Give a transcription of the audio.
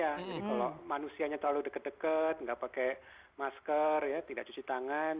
jadi kalau manusianya terlalu deket deket nggak pakai masker tidak cuci tangan